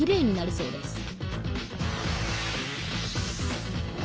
そうですね。